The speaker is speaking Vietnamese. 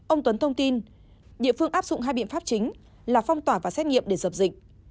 ông tuấn thông tin địa phương áp dụng hai biện pháp chính là phong tỏa và xét nghiệm để dập dịch